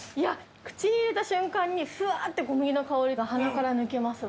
口に入れた瞬間にふわ！って小麦の香りが鼻から抜けますわ。